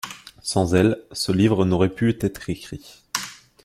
Sans elle, ce livre n'aurait pu être écrit.